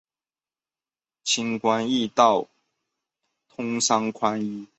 轻关易道，通商宽农